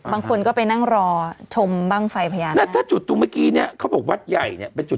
บางคนก็ไปนั่งรอชมบ้างไฟพยาน